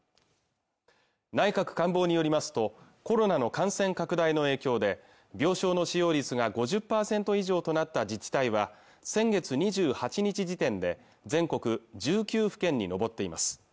内閣官房によりますとコロナの感染拡大の影響で病床の使用率が５０％以上となった自治体は先月２８日時点で全国１９府県に上っています